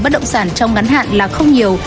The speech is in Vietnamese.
bất động sản trong ngắn hạn là không nhiều